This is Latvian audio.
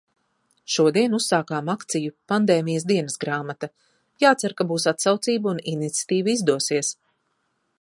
Šodien uzsākām akciju "Pandēmijas dienasgrāmata". Jācer, ka būs atsaucība un iniciatīva izdosies.